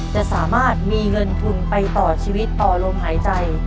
จะสามารถมีเงินทุนไปต่อชีวิตต่อลมหายใจ